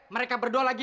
mereka berdua lagi